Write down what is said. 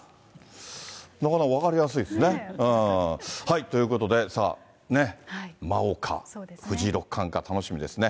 なかなか分かりやすいですね。ということで、ね、魔王か、藤井六冠か、楽しみですね。